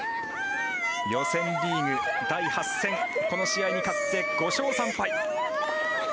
予選リーグ第８戦この試合に勝って５勝３敗。